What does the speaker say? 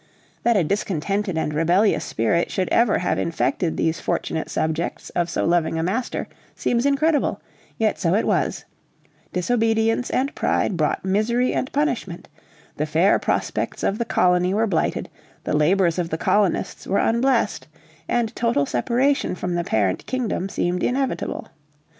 That a discontented and rebellious spirit should ever have infected these fortunate subjects of so loving a master, seems incredible, yet so it was; disobedience and pride brought misery and punishment, the fair prospects of the colony were blighted, the labors of the colonists were unblessed, and total separation from the parent kingdom seemed inevitable.